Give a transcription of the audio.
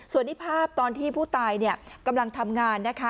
ส่วนนี้ภาพตอนที่ผู้ตายกำลังทำงานนะคะ